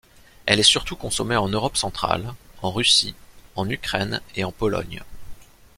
Elle est surtout consommée en Europe centrale, en Russie, en Ukraine et en Pologne.